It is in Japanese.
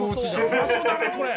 うまそうだねこれ！